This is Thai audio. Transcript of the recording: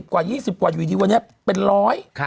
กว่า๒๐กว่าอยู่ดีวันนี้เป็นร้อย